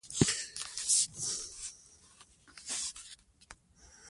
ماشوم باید د نوي چاپېریال سره مثبت چلند زده کړي.